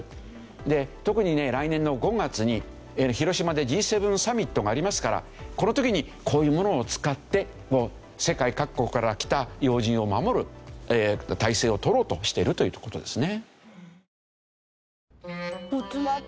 特にね来年の５月に広島でＧ７サミットがありますからこの時にこういうものを使って世界各国から来た要人を守る態勢をとろうとしているという事ですね。